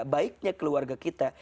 baiknya keluarga kita